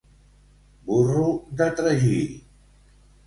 Burro de tragí.